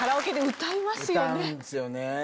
歌うんですよね。